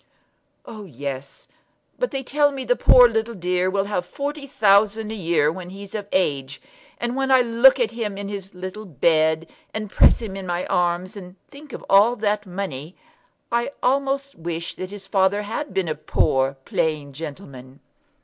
"Oh, yes; but they tell me the poor little dear will have forty thousand a year when he's of age; and when I look at him in his little bed, and press him in my arms, and think of all that money, I almost wish that his father had been a poor plain gentleman."